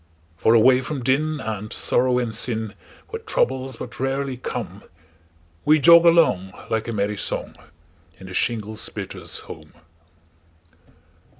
For away from din, and sorrow and sin, Where troubles but rarely come, We jog along, like a merry song, In the shingle splitter's home.